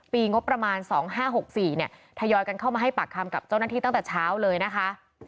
ปีงบประมาณ๒๕๖๔ทยอยกันเข้ามาให้ปากคำกับเจ้าหน้าที่ตั้งแต่เช้าเลยนะคะ